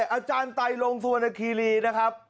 อาจารย์ไตรงสุวรรณคีรีนะครับ